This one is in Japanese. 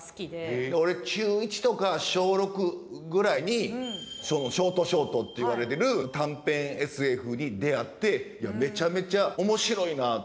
へえ俺中１とか小６ぐらいにショートショートっていわれてる短編ＳＦに出会っていやめちゃめちゃ面白いな。